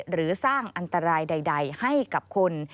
หรือสร้างอันตรายใดให้กับคน